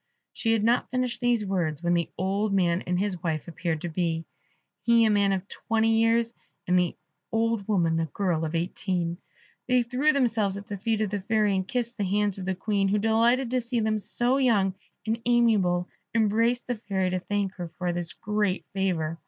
She had not finished these words, when the old man and his wife appeared to be, he a man of twenty years, and the old woman a girl of eighteen. They threw themselves at the feet of the Fairy, and kissed the hands of the Queen, who, delighted to see them so young and amiable, embraced the Fairy to thank her for this great favour.